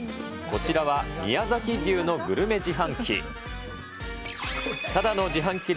こちらは宮崎牛のグルメ自販機。